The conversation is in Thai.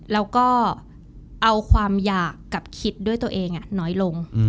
แล้วก็เอาความอยากกับคิดด้วยตัวเองน้อยลง